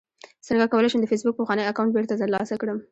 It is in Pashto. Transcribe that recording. څنګه کولی شم د فېسبوک پخوانی اکاونټ بیرته ترلاسه کړم